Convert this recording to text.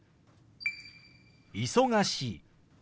「忙しい」。